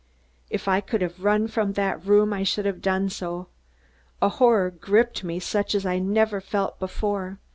If I could have run from the room I should have done so. A horror gripped me such as I never felt before.